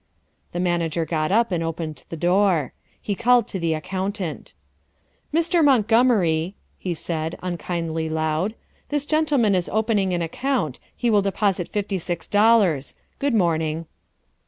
The manager got up and opened the door. He called to the accountant. "Mr. Montgomery," he said unkindly loud, "this gentleman is opening an account, he will deposit fifty six dollars. Good morning."